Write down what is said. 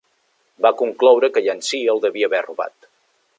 Va concloure que Yancy el devia haver robat.